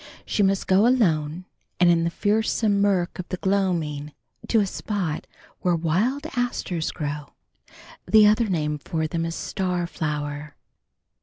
She must go alone, and in the fearsome murk of the gloaming, to a spot where wild asters grow. The other name for them is star flower.